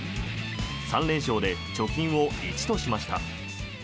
３連勝で貯金を１としました。